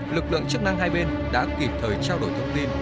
lực lượng chức năng hai bên đã kịp thời trao đổi thông tin